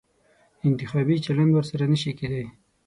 انتخابي چلند ورسره نه شي کېدای.